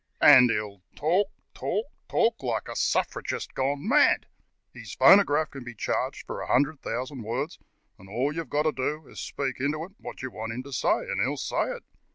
And he'll talk, talk, talk, like a suffragist gone mad; his phonograph can be charged for 100,000 words, and all you've got to do is to speak into it what you want him to say, and he'll say it.